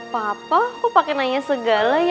papa kok pakai nanya segala ya